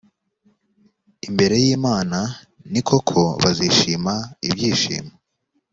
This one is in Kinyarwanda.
imbere y imana ni koko bazishima ibyishimo